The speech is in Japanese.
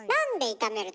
炒めると。